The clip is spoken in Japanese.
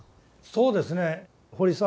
そうですね堀澤